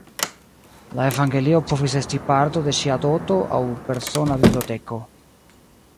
La Evangelio povis esti parto de ŝia doto aŭ persona biblioteko.